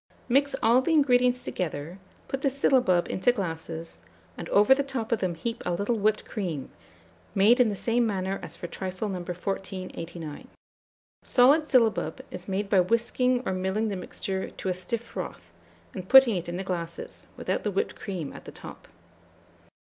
Mix all the ingredients together, put the syllabub into glasses, and over the top of them heap a little whipped cream, made in the same manner as for trifle No. 1489. Solid syllabub is made by whisking or milling the mixture to a stiff froth, and putting it in the glasses, without the whipped cream at the top.